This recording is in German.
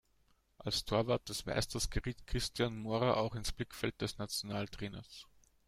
Als Torwart des Meisters geriet Cristian Mora auch ins Blickfeld des Nationaltrainers.